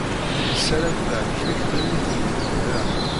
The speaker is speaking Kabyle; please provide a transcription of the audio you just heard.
Nessaram teɛjeb-ik tɣimit-nnek da.